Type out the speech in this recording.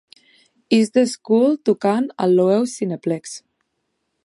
Is The Skull tocant al Loews Cineplex